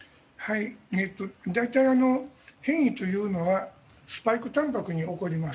大体、変異というのはスパイクたんぱくに起こります。